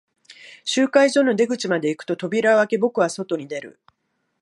集会所の出口まで行くと、扉を開け、僕は外に出る。